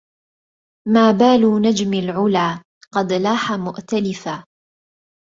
ما بال نجم العلا قد لاح مؤتلفا